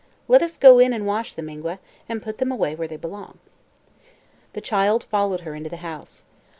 "Let us go in and wash them, Ingua, and put them away where they belong." The child followed her into the house.